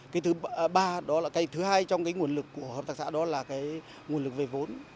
cái thứ ba thứ hai trong nguồn lực của các hợp tác xã đó là nguồn lực về vốn